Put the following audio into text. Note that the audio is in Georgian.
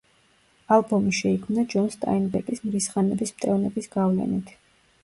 ალბომი შეიქმნა ჯონ სტაინბეკის „მრისხანების მტევნების“ გავლენით.